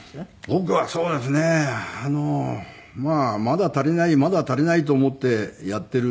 僕はそうですねあのまだ足りないまだ足りないと思ってやってる事ですかね。